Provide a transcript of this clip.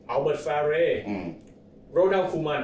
อัลเบิร์ดฟาเรย์โรดัลคูมัน